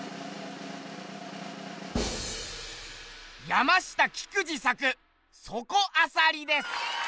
山下菊二作「そこあさり」です。